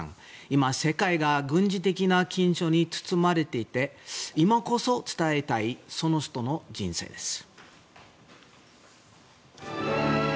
今、世界が軍事的緊張に包まれていて今こそ伝えたいその人の人生です。